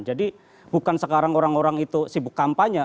jadi bukan sekarang orang orang itu sibuk kampanye